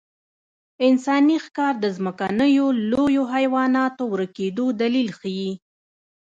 انساني ښکار د ځمکنیو لویو حیواناتو ورکېدو دلیل ښيي.